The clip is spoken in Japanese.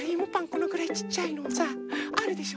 このくらいちっちゃいのさあるでしょ。